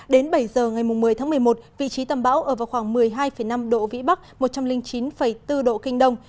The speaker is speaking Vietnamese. đến bảy giờ ngày một mươi tháng một mươi một vị trí tâm bão ở vào khoảng một mươi hai năm độ vĩ bắc một trăm linh chín bốn độ kinh đông